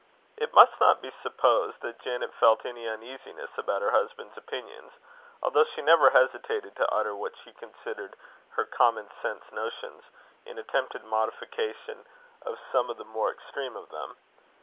It must not be supposed that Janet felt any uneasiness about her husband's opinions, although she never hesitated to utter what she considered her common sense notions, in attempted modification of some of the more extreme of them.